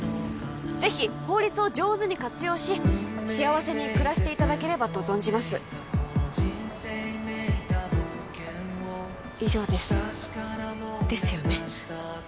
ぜひ法律を上手に活用し幸せに暮らしていただければと存じます以上ですですよね？